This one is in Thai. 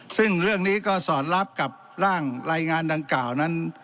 ซึ่งเรื่องนี้ก็สอดรับกับร่างรายงานดังกล่าวนั้น